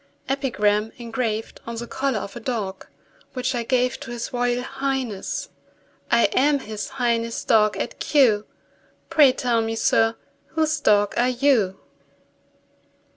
EPIGRAM, ENGRAVED ON THE COLLAR OF A DOG WHICH I GAVE TO HIS ROYAL HIGHNESS. I am His Highness' dog at Kew; Pray tell me, sir, whose dog are you?